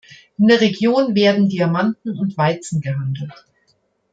In der Region werden Diamanten und Weizen gehandelt.